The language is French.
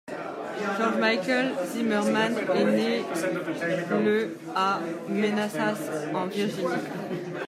George Michael Zimmerman est né le à Manassas en Virginie.